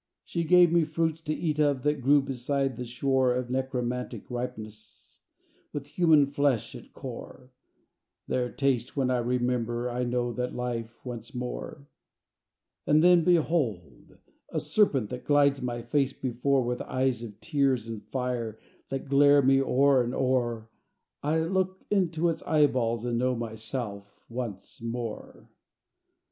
She gave me fruits to eat of That grew beside the shore, Of necromantic ripeness, With human flesh at core Their taste when I remember I know that life once more. And then, behold! a serpent, That glides my face before, With eyes of tears and fire That glare me o'er and o'er I look into its eyeballs, And know myself once more.